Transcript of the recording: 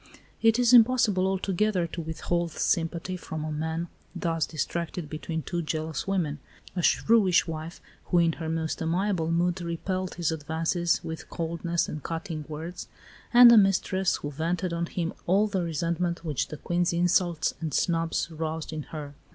It is impossible altogether to withhold sympathy from a man thus distracted between two jealous women a shrewish wife, who in her most amiable mood repelled his advances with coldness and cutting words, and a mistress who vented on him all the resentment which the Queen's insults and snubs roused in her.